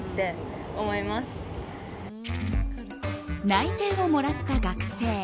内定をもらった学生